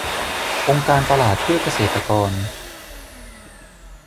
องค์การตลาดเพื่อเกษตรกร